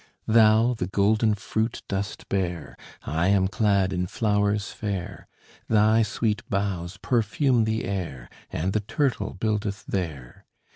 Thou the golden fruit dost bear, I am clad in flowers fair; Thy sweet boughs perfume the air, And the turtle buildeth there.